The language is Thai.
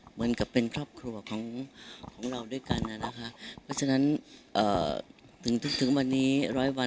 เหมือนกับเป็นครอบครัวของเราด้วยกันนะคะเพราะฉะนั้นถึงวันนี้ร้อยวัน